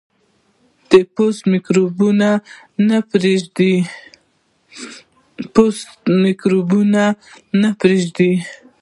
پوست میکروبونه نه پرېږدي.